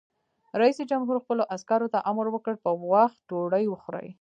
رئیس جمهور خپلو عسکرو ته امر وکړ؛ په وخت ډوډۍ وخورئ!